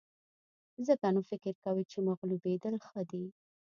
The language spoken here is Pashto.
ځکه نو فکر کوئ چې مغلوبېدل ښه دي.